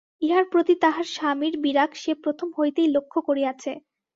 ইহার প্রতি তাহার স্বামীর বিরাগ সে প্রথম হইতেই লক্ষ করিয়াছে।